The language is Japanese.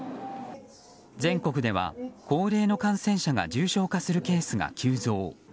全国では高齢の感染者が重症化するケースが急増。